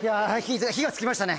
火が付きましたね。